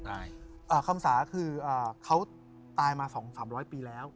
อเจมส์คำสาเขาตายมา๒๐๐๓๐๐ปีแล้ว